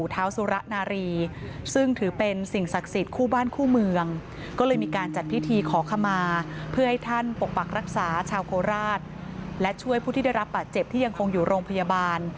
ถัดศาสนาชาวโทราชและช่วยผู้ที่ได้รับปัจเจ็บที่ยังคงอยู่โรงพยาบาล